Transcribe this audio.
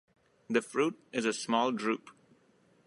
The fruit is a small drupe.